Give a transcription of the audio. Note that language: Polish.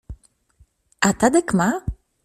— A Tadek ma?